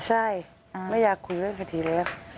ใช่ไม่อยากคุยเรื่องคดีแล้ว